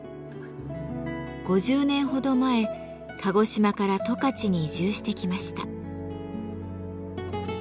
５０年ほど前鹿児島から十勝に移住してきました。